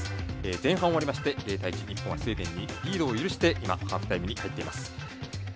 前半終わりまして０対１日本はスウェーデンにリードを許して今ハーフタイムに入っています。